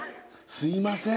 すいません